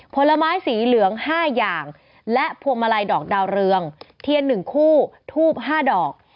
ผลไม้สีเหลือง๕อย่างและพวงมาลัยดอกดาวเรืองเทียน๑คู่ทูบ๕ดอก